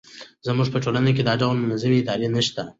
زموږ په ټولنه کې دا ډول منظمې ادارې نه شته.